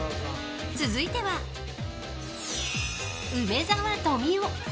続いては、梅沢富美男。